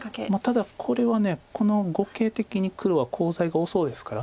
ただこれはこの碁形的に黒はコウ材が多そうですから。